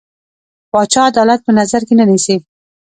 پاچا عدالت په نظر کې نه نيسي.